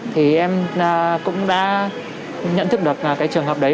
thì em cũng đã nhận thức được cái trường hợp đấy